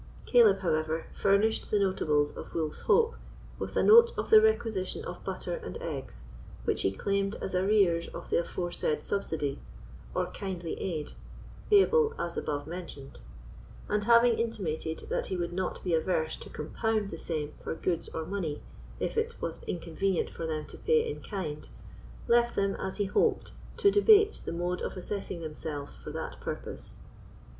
Caleb, however, furnished the notables of Wolf's Hope with a note of the requisition of butter and eggs, which he claimed as arrears of the aforesaid subsidy, or kindly aid, payable as above mentioned; and having intimated that he would not be averse to compound the same for goods or money, if it was inconvenient to them to pay in kind, left them, as he hoped, to debate the mode of assessing themselves for that purpose.